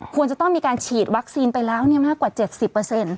ควรจะต้องมีการฉีดวัคซีนไปแล้วมากกว่า๗๐